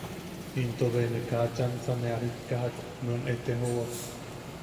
Into be ne kaa chansa ne a jikkajak nuen a eteowa’u.